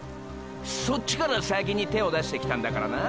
そっちから先に手を出してきたんだからな！！